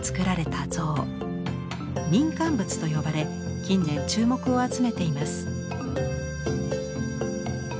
「民間仏」と呼ばれ近年注目を集めています。